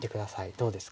どうですか？